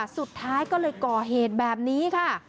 สุดท้ายก็เลยก่อเหตุแบบนี้ค่ะ